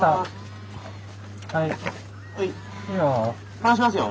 離しますよ。